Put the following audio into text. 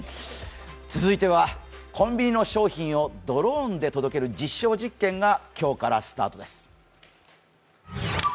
続いては、コンビニの商品をドローンで届ける実証実験が今日からスタートです。